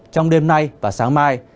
trong đêm nay và sáng mai